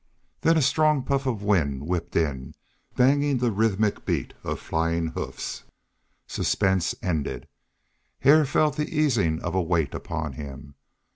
Then a stronger puff of wind whipped in, banging the rhythmic beat of flying hoofs. Suspense ended. Hare felt the easing of a weight upon him.